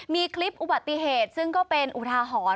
มีคลิปอุบัติเหตุซึ่งก็เป็นอุทาหรณ์